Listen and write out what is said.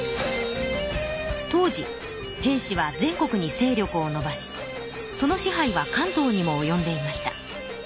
当時平氏は全国に勢力をのばしその支配は関東にもおよんでいました。